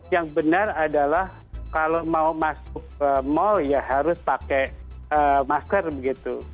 yang benar adalah kalau mau masuk ke mal ya harus pakai masker begitu